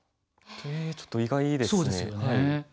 ええちょっと意外ですね。